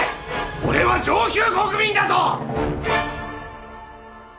俺は上級国民だぞ！